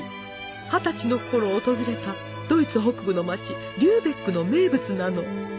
二十歳のころ訪れたドイツ北部の街リューベクの名物なの！